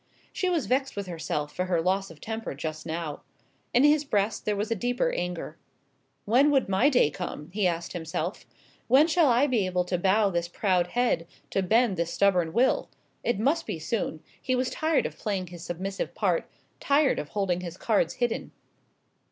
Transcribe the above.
She was vexed with herself for her loss of temper just now. In his breast there was a deeper anger. "When would my day come?" he asked himself. "When shall I be able to bow this proud head, to bend this stubborn will?" It must be soon he was tired of playing his submissive part tired of holding his cards hidden.